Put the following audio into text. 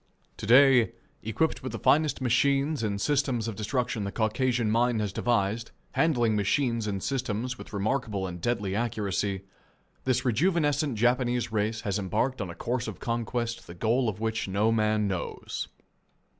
To day, equipped with the finest machines and systems of destruction the Caucasian mind has devised, handling machines and systems with remarkable and deadly accuracy, this rejuvenescent Japanese race has embarked on a course of conquest the goal of which no man knows.